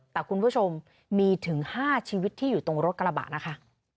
แต่คุณผู้ชมมีถึง๕ชีวิตที่อยู่ตรงรถกระบะนะคะ